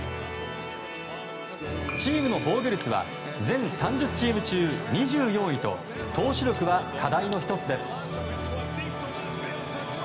チームの防御率は全３０チーム中２４位と投手力は課題の１つです。